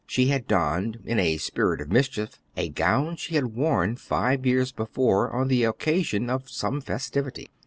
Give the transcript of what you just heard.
She had donned, in a spirit of mischief, a gown she had worn five years before on the occasion of some festivity.